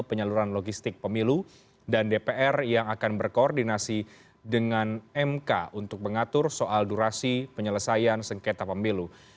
penyaluran logistik pemilu dan dpr yang akan berkoordinasi dengan mk untuk mengatur soal durasi penyelesaian sengketa pemilu